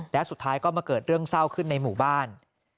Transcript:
และสุดท้ายก็มาเกิดเรื่องเศร้าขึ้นในหมู่บ้าน